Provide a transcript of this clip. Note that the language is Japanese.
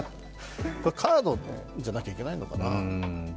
カードじゃなきゃいけないのかなと。